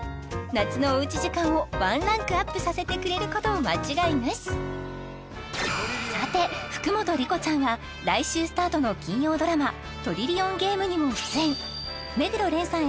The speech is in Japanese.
夏のおうち時間をワンランクアップさせてくれること間違いなしさて福本莉子ちゃんが来週スタートの金曜ドラマ「トリリオンゲーム」にも出演目黒蓮さん